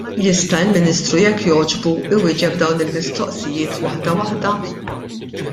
Jista' l-Ministru jekk jogħġbu jwieġeb dawn il-mistoqsijiet waħda waħda?